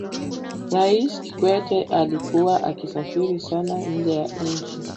rais kikwete alikuwa akisafiri sana nje ya nchi